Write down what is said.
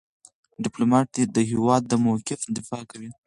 ډيپلومات د هېواد د موقف دفاع کوي.